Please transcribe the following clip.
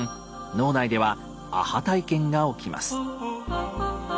脳内ではアハ体験が起きます。